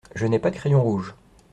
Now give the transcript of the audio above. Je n’ai pas de crayon rouge.